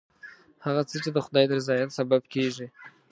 هغه څه چې د خدای د رضایت سبب کېږي.